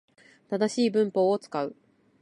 正しい文法を使う